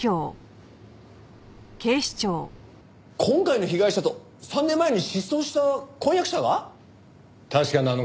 今回の被害者と３年前に失踪した婚約者が！？